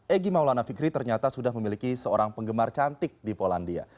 egy maulana fikri ternyata sudah memiliki seorang penggemar cantik di polandia